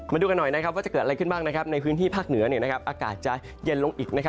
มาดูกันหน่อยว่าจะเกิดอะไรขึ้นบ้างในพื้นที่ภาคเหนืออากาศจะเย็นลงอีก